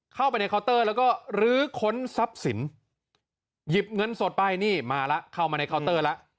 เข้าไปในเคาน์เตอร์แล้วก็ลื้อค้นทรัพย์สินหยิบเงินสดไปนี่มาแล้วเข้ามาในเคาน์เตอร์แล้ว